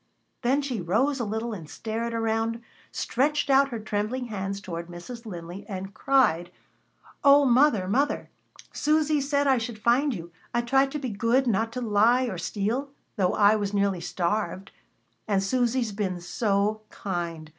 Then she rose a little and stared around stretched out her trembling hands toward Mrs. Linley, and cried: "O mother! mother! Susy said I should find you. I tried to be good, not to lie or steal, though I was nearly starved. And Susy's been so kind.